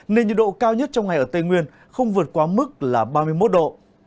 nên nhiệt độ cao nhất trong ngày ở tây nguyên không vượt quá mức là ba mươi một độ